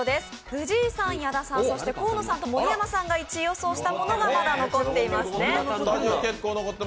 藤井さん、矢田さん、そして河野さん、盛山さんが１位予想したものがまだ残っていますね。